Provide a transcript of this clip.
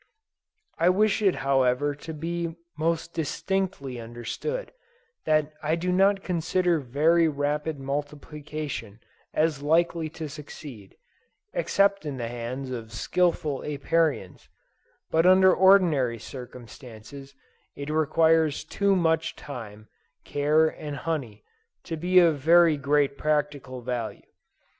I wish it however to be most distinctly understood, that I do not consider very rapid multiplication as likely to succeed, except in the hands of skillful Apiarians; and under ordinary circumstances it requires too much time, care and honey, to be of very great practical value.